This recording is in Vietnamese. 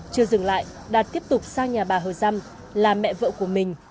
chưa dừng lại đạt tiếp tục sang nhà bà hơ dăm là mẹ vợ của mình